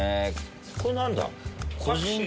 これ何だ？